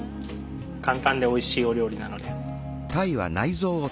簡単でおいしいお料理なので。